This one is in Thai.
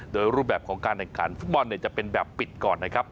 โดยรูปแบบของการแข่งขันฟุตบอลจะเป็นแบบปิดก่อนนะครับ